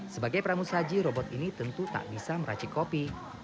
sebagai pramusaji robot ini tentu tak bisa meracik kopi